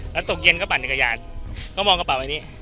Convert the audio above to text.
แล้วตกเย็นก็ปั่นจักรยานก็มองกระเป๋าอันนี้